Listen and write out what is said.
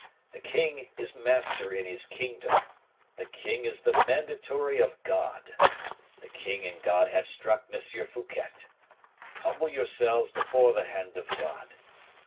The king is master in his kingdom. The king is the mandatory of God. The king and God have struck M. Fouquet. Humble yourselves before the hand of God.